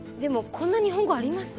こんな日本語あります？